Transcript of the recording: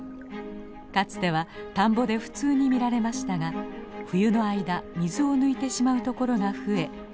かつては田んぼで普通に見られましたが冬の間水を抜いてしまうところが増え数が減っています。